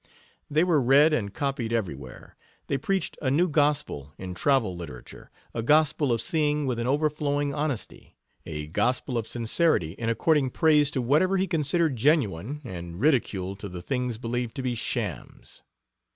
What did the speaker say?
They were read and copied everywhere. They preached a new gospel in travel literature a gospel of seeing with an overflowing honesty; a gospel of sincerity in according praise to whatever he considered genuine, and ridicule to the things believed to be shams.